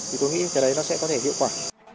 thì tôi nghĩ cái đấy nó sẽ có thể hiệu quả